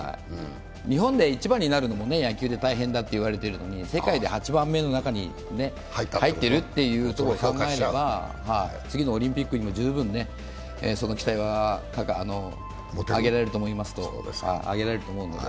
日本で１番になるのも野球で大変だといわれるのに世界で８番目の中に入っているというのを考えれば次のオリンピックにも十分、その期待はあげられると思うので。